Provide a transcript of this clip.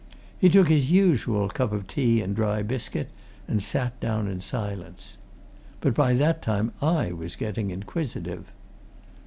He took his usual cup of tea and dry biscuit and sat down in silence. But by that time I was getting inquisitive.